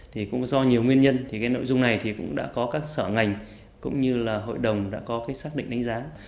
thì cũng do nhiều nguyên nhân thì cái nội dung này thì cũng đã có các sở ngành cũng như là hội đồng đã có cái xác định đánh giá